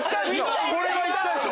これはいったでしょ！